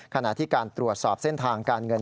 ขณะที่การตรวจสอบเส้นทางการเงิน